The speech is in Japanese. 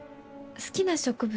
好きな植物？